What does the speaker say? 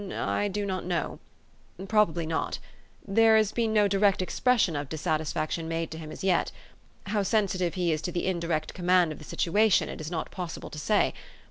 "N n I do not know. Probably not. There has been no direct expression of dissatisfaction made to him as yet. How sensitive he is to the indirect command of the situation, it is not possible to say.